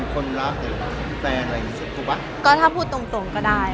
ก็ถ้าพูดตรงก็ได้ค่ะพูดตรงแบบนั้นก็ได้